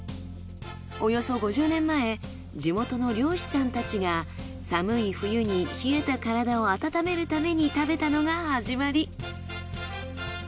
およそ５０年前地元の漁師さんたちが寒い冬に冷えた体を温めるために食べたのが始まり。